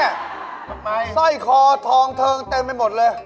ทำไมใส่คอทองเทิงเต็มไปหมดเลย